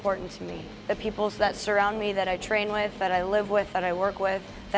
orang orang yang berkeliling saya yang saya latihan yang saya hidup dengan yang saya bekerja dengan